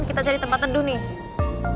kita cari tempat teduh nih